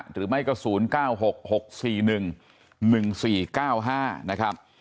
หรือไม่ก็ศูนย์เก้าหกหกสี่หนึ่งหนึ่งสี่เก้าห้านะครับ